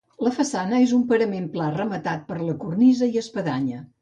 La façana és un parament pla rematat per la cornisa i espadanya.